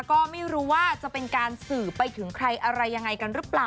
ก็ไม่รู้ว่าจะเป็นการสื่อไปถึงใครอะไรยังไงกันหรือเปล่า